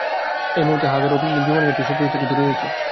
এই মুহূর্তে, হাগারু রি বিমানঘাঁটি শত্রুদের থেকে দূরে রয়েছে।